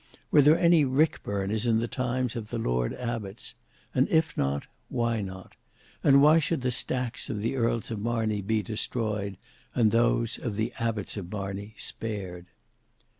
Were there any rick burners in the times of the lord abbots? And if not, why not? And why should the stacks of the Earls of Marney be destroyed, and those of the Abbots of Marney spared?